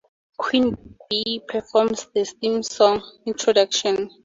Queen Bee performs the theme song "Introduction".